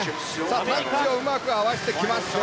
タッチをうまく合わせてきますね。